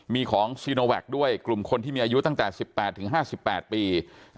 มีของด้วยกลุ่มคนที่มีอายุตั้งแต่สิบแปดถึงห้าสิบแปดปี